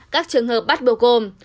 các trường hợp bắt bồ côm